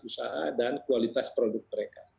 usaha dan kualitas produk mereka